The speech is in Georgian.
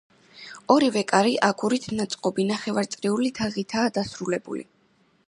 ორივე კარი აგურით ნაწყობი ნახევარწრიული თაღითაა დასრულებული.